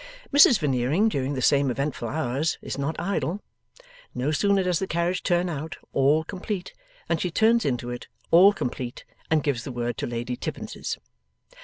Mrs Veneering, during the same eventful hours, is not idle. No sooner does the carriage turn out, all complete, than she turns into it, all complete, and gives the word 'To Lady Tippins's.